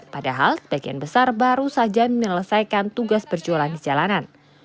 padahal sebagian besar baru saja menyelesaikan tugas berjualan di jalanan